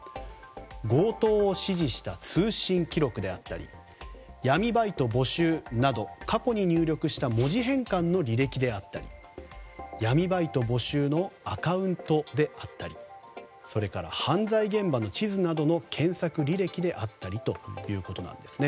強盗を指示した通信記録であったり闇バイト募集など過去に入力した文字変換の履歴であったり闇バイト募集のアカウントであったりそれから犯罪現場の地図などの検索履歴であったりということなんですね。